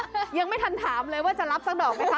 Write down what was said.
ยังไม่ทันถามเลยว่าจะรับสักดอกไหมคะ